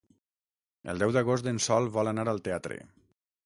El deu d'agost en Sol vol anar al teatre.